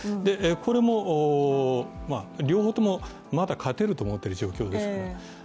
これも両方ともまだ勝てると思っている状況です。